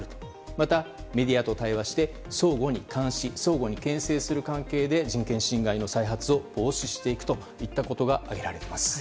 また、メディアと対話して相互に監視相互に牽制する関係で人権侵害の再発を防止していくといったことがあげられています。